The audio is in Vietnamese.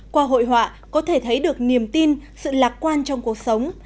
qua hội họa có thể thấy được niềm tin sự lạc quan trong cuộc sống